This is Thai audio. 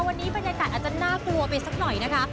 วันนี้บรรยากาศอาจจะน่ากลัวไปสักหน่อยนะคะ